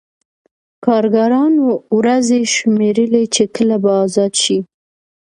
کارګرانو ورځې شمېرلې چې کله به ازاد شي